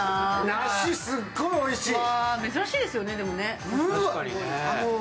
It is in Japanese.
梨、すっごいおいしい。